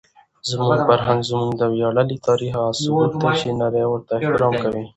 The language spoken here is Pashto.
زموږ فرهنګ زموږ د ویاړلي تاریخ هغه ثبوت دی چې نړۍ ورته احترام کوي.